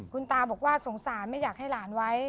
คุณตาบอกว่าสงสารไม่อยากให้หลานไว้